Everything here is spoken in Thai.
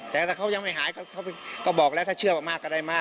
แต่ถ้าเขายังไม่หายเขาก็บอกแล้วถ้าเชื่อมากก็ได้มาก